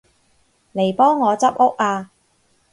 嚟幫我執屋吖